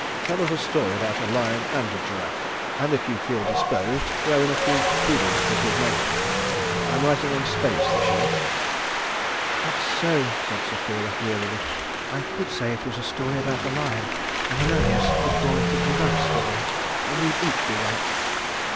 "Tell us a story about a lion and a giraffe, and if you feel disposed throw in a few poodles for good measure. I'm writing on space this year." "That's so," said Sapphira, wearily. "I could say it was a story about a lion and Ananias could call it a giraffe story, and we'd each be right."